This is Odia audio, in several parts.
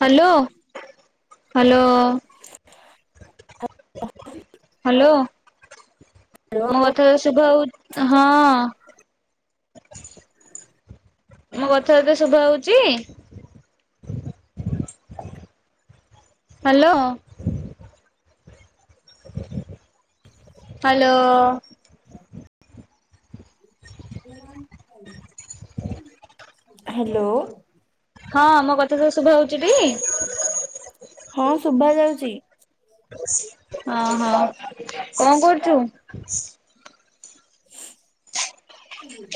ହ୍ୟାଲୋ ହ୍ୟାଲୋ ହ୍ୟାଲୋ ମୋ କଥା ତତେ ଶୁଭା ହଉ ହଁ ମୋ କଥା ତତେ ଶୁଭା ହଉଛି। ହ୍ୟାଲୋ। ହ୍ୟାଲୋ। ହଁ ହ [unintelligible] ହ୍ୟାଲୋ। ହଁ ମୋ କଥା ସବୁ ଶୁଭା ହଉଛି ହଁ ଟି ଶୁଭା ଯାଉଛି ଓ ହଁ କଣ କରୁଛୁ।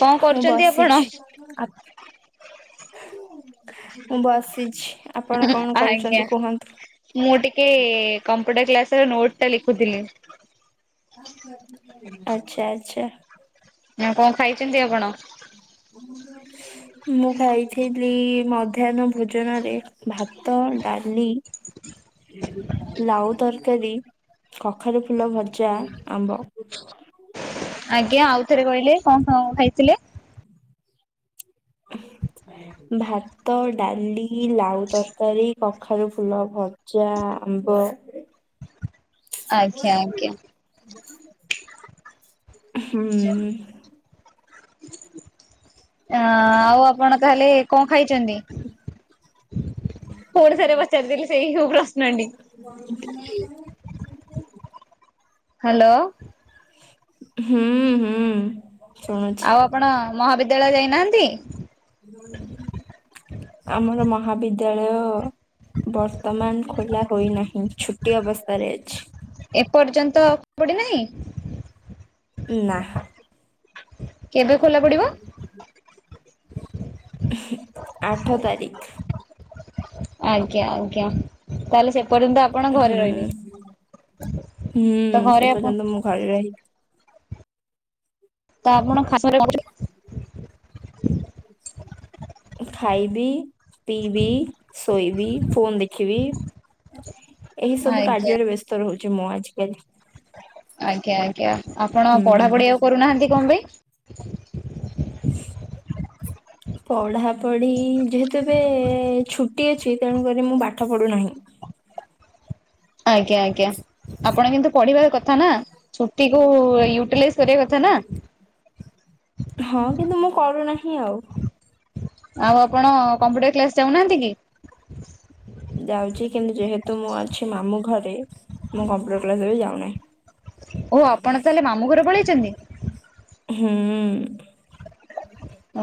କଣ ମୁଁ କରୁଛନ୍ତି ଆପଣ? ବସିଛି। ମୁଁ ବସିଛି। ଆପଣ କଣ ଆଜ୍ଞା କରୁଛନ୍ତି କୁହନ୍ତୁ? ମୁଁ ଟିକେ କମ୍ପ୍ୟୁଟର କ୍ଲାସ ର ନୋଟ ଟା ଲେଖୁଥିଲି। ଆଚ୍ଛା ଆଚ୍ଛା। ନା କଣ ଖାଇଛନ୍ତି ଆପଣ? ମୁଁ ଖାଇଥିଲି ମଧ୍ୟାହ୍ନ ଭୋଜନ ରେ ଭାତ ଡାଲି। ଲାଉ ତରକାରୀ କଖାରୁ ଫୁଲ ଭଜା ଆମ୍ବ। ଆଜ୍ଞା ଆଉ ଥରେ କହିଲେ କଣ କଣ ଖାଇଥିଲେ? ଭାତ ଡାଲି ଲାଉ ତରକାରୀ କଖାରୁ ଫୁଲ ଭ ପଚା ଆମ୍ବ ଆଜ୍ଞା ଆଜ୍ଞା। [inaudible] ହୁଁ [unintelligible] ଅ ଆଉ ଆପଣ ତାହେଲେ କଣ ଖାଇଛନ୍ତି? ପୁଣି ଥରେ ପଚାରିଦେଲି ସେଇ ପ୍ରଶ୍ନଡି [unintelligible] ହ୍ୟାଲୋ। ହୁଁ ହୁଁ ଶୁଣୁଛି। କଣ ମହାବିଦ୍ୟାଳୟ ଯାଇନାହାନ୍ତି? ଆମର ମହାବିଦ୍ୟାଳୟ ବର୍ତ୍ତମାନ ଖୋଲା ରହିଇନାହିଁ, ଛୁଟି ଅବସ୍ଥାରେ ଅଛି। ଏପର୍ଯ୍ୟନ୍ତ ପଡିନାହିଁ। ନା। କେବେ ଖୋଲା ପଡିବ? [inaudible] ଆଠ ତାରିଖ। ଆଜ୍ଞା ଆଜ୍ଞା ତାହେଲେ ସେପର୍ଯ୍ୟନ୍ତ ହୁଁ ହୁଁ ତ ଘରେ ସେ ଆପଣ ପର୍ଯ୍ୟନ୍ତ ମୁଁ ଘରେ ରହି। ତା ଆପଣ ଖାସରେ [unintelligible] [inaudible] ଖାଇବି ପିଇବି ଶୋଇବି ଫୋନ ଦେଖିବି। ଏହି ସବୁ ଆଜ୍ଞା କାର୍ଯ୍ୟରେ ବ୍ୟସ୍ତ ରହୁଛି ମୁଁ ଆଜିକାଲି। ଆଜ୍ଞା ଆଜ୍ଞା ଆପଣ ହୁଁ ପଢାପଢି ଆଉ କରୁନାହାନ୍ତି କଣ ପାଇଁ? [inaudible] ପଢାପଢି ଯେହେତୁ ଏବେ ଛୁଟି ଅଛି ତେଣୁକରି ମୁଁ ପାଠ ପଢୁନାହିଁ। ଆଜ୍ଞା ଆଜ୍ଞା ଆପଣ କିନ୍ତୁ ପଢିବା କଥା ନା ଛୁଟି କୁ ୟୁଟି ଲାଇଜ କରିବା କଥା ନା। ହଁ କିନ୍ତୁ ମୁଁ କରୁନାହିଁ ଆଉ। ଆଉ ଆପଣ କମ୍ପ୍ୟୁଟର କ୍ଲାସ ଯାଉନାହାନ୍ତି କି? ଯାଉଛି କିନ୍ତୁ ଯେହେତୁ ମୁଁ ଅଛି ମାମୁଁ ଘରେ ମୁଁ କମ୍ପ୍ୟୁଟର କ୍ଲାସ ବି ଯାଉନାହିଁ। ଓ ଆପଣ ତାହେଲେ ମାମୁଁ ଘରେ ପଳେଇଛନ୍ତି? ହୁଁ।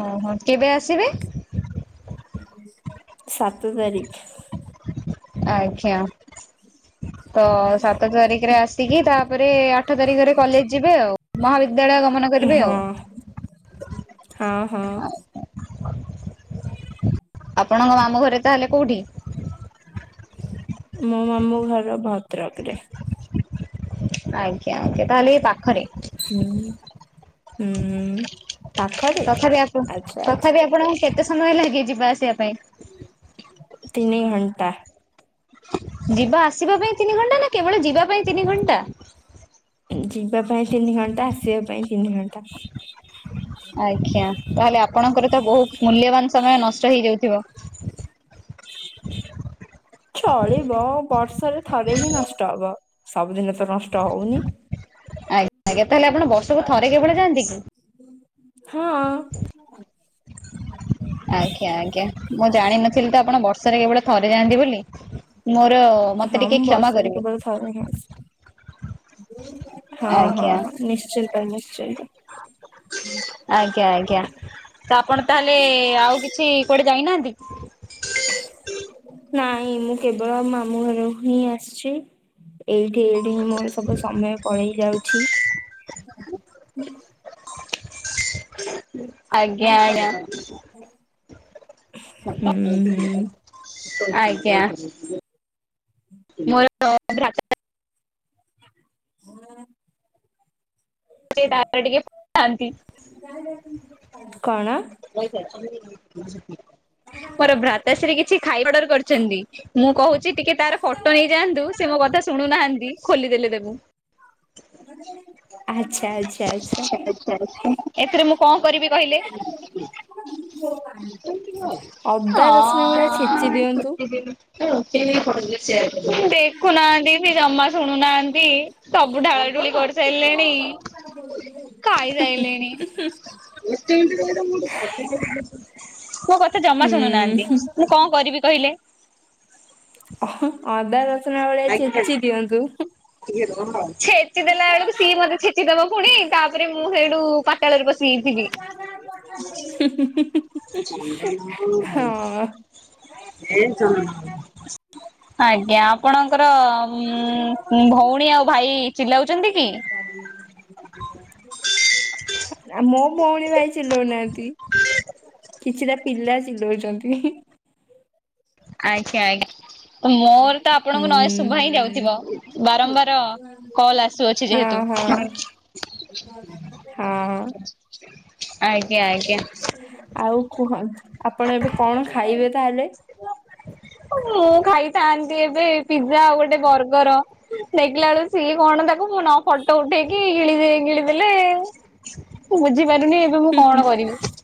ଓହୋ କେବେ ଆସିବେ? ସାତ ତାରିଖ। ଆଜ୍ଞା ତ ସାତ ତାରିଖରେ ଆସିକି ତାପରେ ଆଠ ତାରିଖରେ କଲେଜ ଯିବେ ଆଉ ମହାବିଦ୍ୟାଳୟ ଗମନ କରିବେ ଆଉ। ହଁ ହଁ ହଁ। ଆପଣଙ୍କ ମାମୁଁ ଘର ତାହେଲେ କୋଉଠି? ମୋ ମାମୁ ଘର ଭଦ୍ରକ ରେ। ଆଜ୍ଞା ଆଜ୍ଞା ତାହେଲେ ଏଇ ପାଖରେ। ହୁଁ ହୁଁ ପାଖରେ? ତଥାପି ଆପ ଆଚ୍ଛା ଆଚ୍ଛା ତଥାପି ଆପଣ କେତେ ସମୟ ଲାଗେ ଯିବା ଆସିବା ପାଇଁ? ତିନି ଘଣ୍ଟା। ଯିବା ଆସିବା ପାଇଁ ତିନି ଘଣ୍ଟା ନା କେବଳ ଯିବା ପାଇଁ ତିନି ଘଣ୍ଟା? ଉଁ ଯିବା ପାଇଁ ତିନି ଘଣ୍ଟା ଆସିବା ପାଇଁ ତିନି ଘଣ୍ଟା। ଆଜ୍ଞା ତାହେଲେ ଆପଣଙ୍କର ତ ବହୁତ ମୂଲ୍ୟବାନ ସମୟ ନଷ୍ଟ ହେଇଯାଉଥିବ? ଚଳିବ ବର୍ଷରେ ଥରେ ହିଁ ନଷ୍ଟ ହବ ସବୁଦିନ ତ ନଷ୍ଟ ହଉନି। ଆଜ୍ଞା ଆଜ୍ଞା ତାହେଲେ ଆପଣ ବର୍ଷକୁ ଥରେ କେବଳ ଯାଆନ୍ତି କି? ହଁ। ଆଜ୍ଞା ଆଜ୍ଞା ମୁଁ ଜାଣିନଥିଲି ତ ଆପଣ ବର୍ଷରେ କେବଳ ଥରେ ଯାଆନ୍ତି ବୋଲି। ମୋର ମତେ ହଁ ଟିକେ ମୁଁ କ୍ଷମା ବର୍ଷରେ କରିବେ। କେବଳ ଥରେ ହିଁ ଆସେ ହଁ ଆଜ୍ଞା ହଁ। ନିଶ୍ଚିନ୍ତ ନିଶ୍ଚିନ୍ତ। ଆଜ୍ଞା ଆଜ୍ଞା ତ ଆପଣ ତାହେଲେ ଆଉ କିଛି କୁଆଡେ ଯାଇନାହାନ୍ତି? ନାଇଁ ମୁଁ କେବଳ ମାମୁଁ ଘର ହିଁ ଆସିଛି। ଏଇଠି ଏଇଠି ହିଁ ମୋର ସବୁ ସମୟ ପଳେଇ ଯାଉଛି। ଆଜ୍ଞା ଆଜ୍ଞା। ହୁଁ ହୁଁ [inaudible] ଆଜ୍ଞା ମୋର [inaudible] ହଁ। [unintelligible] ମୋର ଭ୍ରାତାଶ୍ରୀ କଣ? କିଛି ଖାଇବା ଅର୍ଡର କରିଛନ୍ତି। ମୁଁ କହୁଛି ଟିକେ ତାର ଫଟୋ ନେଇଯାଆନ୍ତୁ ସେ ମୋ କଥା ଶୁଣୁନାହାନ୍ତି ଖୋଲିଦେଲେ ତାକୁ ଆଛା। ଆଛା ଆଛ ଆଛା ଏଥିରେ ମୁଁ କଣ କରିବି କହିଲେ? ଅଁ ଅ ଅ ଅଦା ରସୁଣ ଭଳିଆ ଛେଚି ଦିଅନ୍ତୁ। [unintelligible] ଦେଖୁନାହାନ୍ତି ସେ ଜମା ଶୁଣୁନାହାନ୍ତି। ସବୁ ଢାଳ ଢୁଳି କରିସାରିଲେଣି ଖାଇ ସାଇଲେଣି। [unintelligible] ସେ ଜମା ହୁଁ ଶୁଣୁନାହାନ୍ତି ମୁଁ କଣ କରିବି କହିଲେ? ହିଁ ଅଦା ରସୁଣ ଭଳିଆ ଛେଚି ଦିଅନ୍ତୁ। ଛେ ଛେଚି ଦେଲା ବେଳକୁ ସିଏ ମତେ ଛେଚିଦବ ପୁଣି ତାପରେ ମୁଁ ସେଇଠୁ ପାତାଳରେ ପଶିଯାଇଥିବି। [unintelligible] ହୁଁ ହୁଁ ହୁଁ ହୁଁ [unintelligible] ଆଜ୍ଞା ଆପଣଙ୍କର ଉଁ ଭଉଣୀ ଆଉ ଭାଇ ଚିଲାଉଛନ୍ତି କି? [unintelligible] ମୋ ଭଉଣୀ ଭାଇ ଚିଲାଉନାହାନ୍ତି କିଛିଟା ପିଲା ଚିଲଉଛନ୍ତି। ଆଛା ଆଜ୍ଞା ମୋର ତ ହୁଁ। ଆପଣଙ୍କ ନଏଜ୍ ଶୁଭା ହିଁ ଯାଉଥିବ ବାରମ୍ବାର କଲ ଆସୁଅଛି ହଁ ଯେହେତୁ ହଁ ହଁ। ଆଜ୍ଞା ଆଜ୍ଞା। ଆଉ କୁହ ଆପଣ ଏବେ କଣ ଖାଇବେ ତାହେଲେ? ମୁଁ ଖାଇଥାନ୍ତି ଏବେ ପିଜ୍ଜା ଆଉ ଗୋଟେ ବର୍ଗର। ଦେଖିଲା ବେଳକୁ ସିଏ କଣ ତାକୁ ମୁଁ ନ ଫଟୋ ଉଠେଇକି ଗିଳି ଦେଇ ଗିଳି ଦେଲେ ମୁଁ ବୁଝିପାରୁନି ଏବେ ମୁଁ କଣ କରିବି?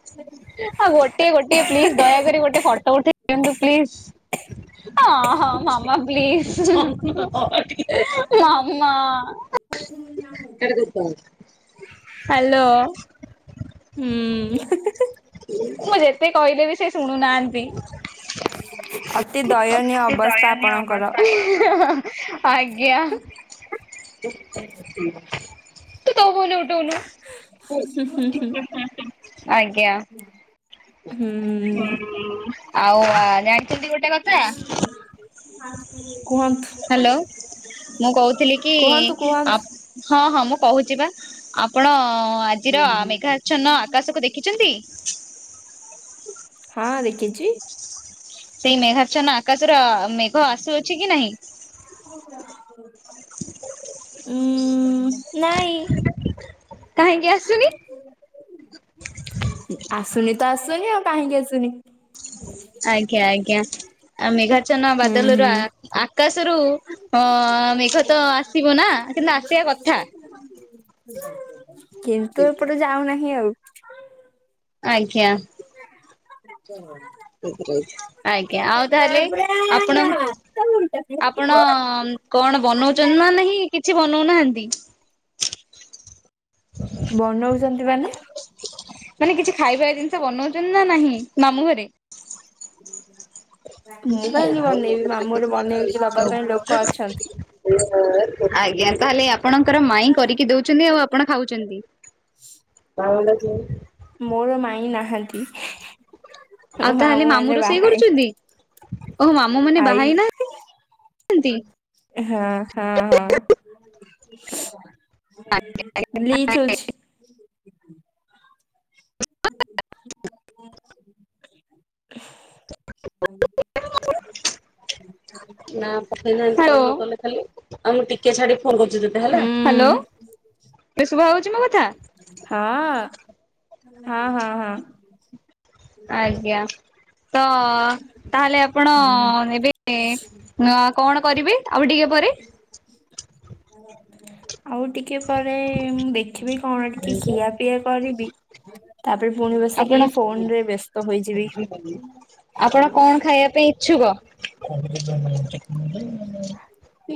ଆଉ ଗୋଟିଏ ଗୋଟିଏ ପ୍ଲିଜ ଦୟାକରି ଗୋଟେ ଫଟୋ ଉଠେଇ ଦିଅନ୍ତୁ। ପ୍ଲିଜ ଅ ହଁ ହଁ ମାମା ପ୍ଲିଜ [inaudible] ମାମା [unintelligible] ହ୍ୟାଲୋ। ହୁଁ। [inaudible] ମୁଁ ଯେତେ କହିଲେ ବି ସେ ଶୁଣୁନାହାନ୍ତି। ଅତି ଦୟନୀୟ ଅବସ୍ଥା ଦୟନୀୟ ଆପଣଙ୍କର। ଅବସ୍ଥା। ଆଜ୍ଞା। ତୁ ତୋ ଫୋନରେ ଉଠଉନୁ। ହୁଁ ହୁଁ [unintelligible] ହୁଁ ଆଜ୍ଞା ହୁଁ ଆଉ ହୁଁ ଆ ଜାଣିଛନ୍ତି ଗୋଟ କୁହନ୍ତୁ। ହ୍ୟାଲୋ ମୁଁ କହୁଥିଲି କି କୁହନ୍ତୁ କୁହନ୍ତୁ ଆପ ହଁ ହଁ ମୁଁ କହୁଛି ବା ଆପଣ ଆଜିର ମେଘା ଛନ୍ନ ଆକାଶକୁ ଦେଖିଛନ୍ତି। ହଁ ଦେଖିଚି। ସେଇ ମେଘାଚ୍ଛନ୍ନ ଆକାଶର ମେଘ ଆସୁଅଛି କି ନାହିଁ। [inaudible] ଉଁ ନାଇଁ [inaudible] ଆସୁନି? [inaudible] [inaudible] ଆସୁନି ତ ଆସୁନି ଆଉ କାହିଁକି ଆସୁନି? ଆଜ୍ଞା ଆଜ୍ଞା। ଆ ମେଘାଛନ ହୁଁ ବାଦଲରୁ ହୁଁ ଆ ଆକାଶରୁ ଅ ମେଘ ତ ଆ [inaudible] କିନ୍ତୁ ଏପଟେ ଯାଉନାହିଁ ଆଉ। ଆଜ୍ଞା। [inaudible] [inaudible] ଆଜ୍ଞା ଆଉ ତାହେଲେ ଆପଣ ଆପଣ କଣ ବନଉଛନ୍ତି ନା ନାହିଁ କିଛି ବନଉନାହାନ୍ତି। ବନଉଚନ୍ତି ମାନେ ମାନେ କିଛି ଖାଇବା ଜିନିଷ ବନଉଛନ୍ତି ନା ନାହିଁ ମାମୁଁ ଘରେ। [inaudible] ମୁଁ କାହିଁକି ବନେଇବି ମାମୁଁ ଘର ବନେଇକି ଦବା ପାଇଁ ଲୋକ ଅଛନ୍ତି। [inaudible] ଆଜ୍ଞା। ତାହେଲେ ଆପଣଙ୍କର ମାଇଁ କରିକି ଦଉଛନ୍ତି ଆଉ ଆପଣ ଖାଉଛନ୍ତି। ମୋର ମାଇଁ ନାହାନ୍ତି। ଆଉ ମୋ ତାହେଲେ ମାମୁଁ ମାନେ ରୋଷେଇ ବାହା ହେଇ କରୁଛନ୍ତି ଓହୋ ମାମୁଁ ମାନେ [inaudible] ବାହା ଆାଇ। ହେଇ ନାହାନ୍ତି? ହଁ ହଁ ହଁ। ଲିଚ ଅଛି। [inaudible] [inaudible] ନା ପଠେଇନାହାନ୍ତି କଲେ ଖାଲି। ହୁଁ ହାଲୋ ଶୁଭା ଯାଉଛି ମୋ କଥା? ହଁ ହଁ ହଁ ହଁ। ଆଜ୍ଞା ତ ତାହେଲେ ଆପଣ ହୁଁ ନେବେନେ ହ କଣ କରିବି ଆଉ ଟିକିଏ ପରେ? ଆଉ ଟିକ୍ ଟିକିଏ ପରେ ମୁଁ ଦେଖିବି କଣ ଟିକିଏ ଖିଆପିଆ କରିବି। ତାପରେ ପୁଣି ବସିକି ଆପଣ ଫୋନ୍ ରେ ବ୍ୟସ୍ତ ହୋଇଇଯିବି। ଆପଣ କଣ ଖାଇବା ପାଇଁ ଇଛୁକ?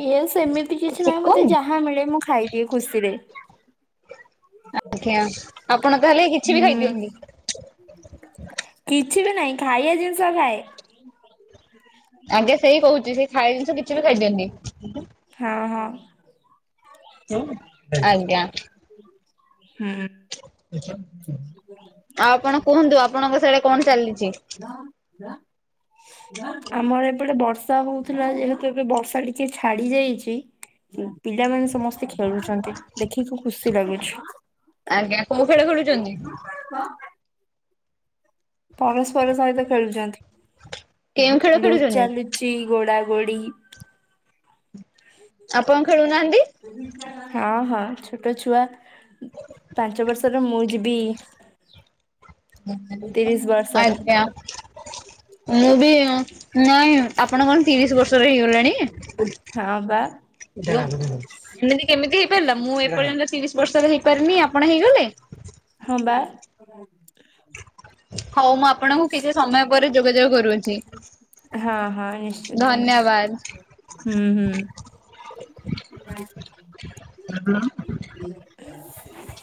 ଇଏ ସେମିତି କିଛି ନାହି ମତେ ଯାହା ମିଳେ ମୁଁ ଖାଇଦିଏ ଖୁସିରେ। ଆଜ୍ଞା ଆପଣ ତାହେଲେ କିଛି ବି ହୁଁ ଖାଇଦିଅନ୍ତି। କିଛି ବି ନାହିଁ ଖାଇବା ଜିନିଷ ଖାଏ। ଆଜ୍ଞା ସେଇ କହୁଛି ସେ ଖାଇ ହଁ ହଁ। ଏଇନା ଆଜ୍ଞା। ହୁଁ। ଆଉ ଆପଣ କୁହନ୍ତୁ ଆପଣଙ୍କ ସ୍ୟାଡେ କଣ ଚାଲିଛି? [inaudible] ଆମର ଏପଟେ ବର୍ଷା ହଉଥିଲା ଯେହେତୁ ଏବେ ବର୍ଷା ଟିକେ ଛାଡି ଯାଇଛି। [inaudible] ଆଜ୍ଞା କୋଉ ଖେଳ ଖେଳୁଚନ୍ତି? ପରସ୍ପର ସହିତ କେଉଁ ଖେଳ ଖେଳୁଛନ୍ତି ଖେଳୁଛନ୍ତି ଲୁଚାଲୁଚ୍। ଛି ଗୋଡ଼ା ଗୋଡ଼ି। ଆପଣ ଖେଳୁନାହାନ୍ତି। ହଁ ହଁ ଛୋଟ ଛୁଆ ପାଞ୍ଚ ବର୍ଷର ମୁଁ ଯିବି। ତିରିଶ ବର୍ଷର ଆଜ୍ଞା ମୁଁ ବି ନାଇଁ ଆପଣ କଣ ତିରିଶ ବର୍ଷର ହେଇଗଲାଣି? ହଁ ପା। ଏମିତି କେମିତି ହେଇପାରିଲା ମୁଁ ଏପର୍ଯ୍ୟନ୍ତ ତିରିଶ ବର୍ଷରେ ହେଇପାରିନି ଆପଣ ହେଇଗଲେ? ହଁ ପା। ହଉ ମୁଁ ଆପଣଙ୍କୁ କିଛି ସମୟ ପରେ ଯୋଗାଯୋଗ କରୁଅଛି। ହଁ ହଁ ନିଶ୍ଚିନ୍ତ ଧନ୍ୟବାଦ। ନିଶ୍ଚିନ୍ତ ହୁଁ ହୁଁ। [inaudible] [inaudible]